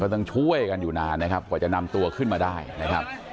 ต้องช่วยกันอยู่นานนะครับกว่าจะนำตัวขึ้นมาได้นะครับ